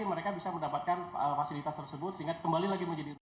jadi mereka bisa mendapatkan fasilitas tersebut sehingga kembali lagi menjadi